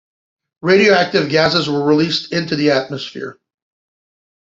Radioactive gasses were released into the atmosphere.